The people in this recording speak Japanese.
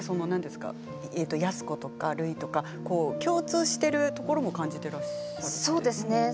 安子とかるいとか共通しているところを感じていますか？